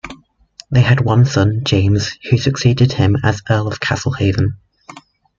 They had one son, James, who succeeded him as Earl of Castlehaven.